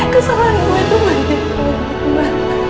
kesalahan lu itu mah ma